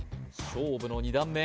勝負の２段目！